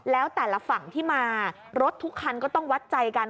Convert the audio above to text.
แล้วแต่ละฝั่งที่มารถทุกคันก็ต้องวัดใจกัน